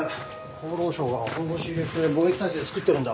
厚労省が本腰入れて防疫体制つくってるんだ。